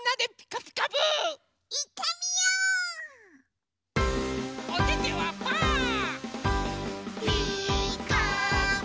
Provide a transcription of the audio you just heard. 「ピーカーブ！」